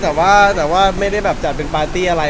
แต่ไม่ได้จัดเป็นพาร์ตี้อะไร